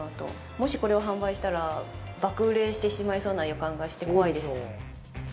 もしこれを販売したら、爆売れしてしまいそうな予感がして、怖いです。